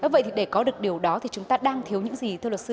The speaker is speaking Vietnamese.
vậy thì để có được điều đó thì chúng ta đang thiếu những gì thưa luật sư